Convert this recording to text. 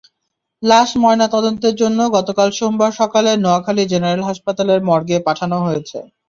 লাশ ময়নাতদন্তের জন্য গতকাল সোমবার সকালে নোয়াখালী জেনারেল হাসপাতালের মর্গে পাঠানো হয়েছে।